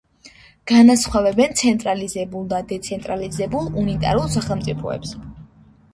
განასხვავებენ ცენტრალიზებულ და დეცენტრალიზებულ უნიტარულ სახელმწიფოებს.